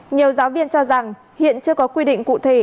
nhiều giáo viên cho rằng hiện chưa có quy định cụ thể